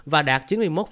và đạt chín mươi một ba